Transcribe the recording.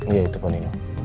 iya itu poni